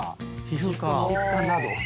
皮膚科など。